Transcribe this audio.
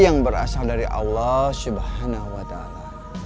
yang berasal dari allah subhanahu wa ta'ala